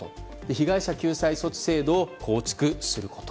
被害者救済措置制度を構築すること。